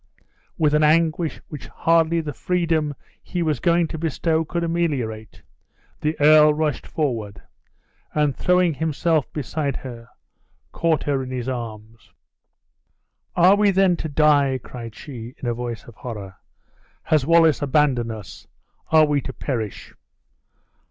With an anguish which hardly the freedom he was going to bestow could ameliorate, the earl rushed forward, and, throwing himself beside her, caught her in his arms. "Are we, then, to die?" cried she, in a voice of horror. "Has Wallace abandoned us? Are we to perish?